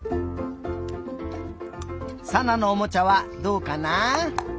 さなのおもちゃはどうかなあ？